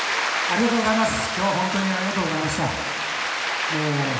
ありがとうございます。